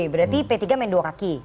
berarti p tiga main dua kaki